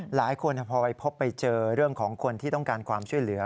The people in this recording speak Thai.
หลายคนพอไปพบไปเจอเรื่องของคนที่ต้องการความช่วยเหลือ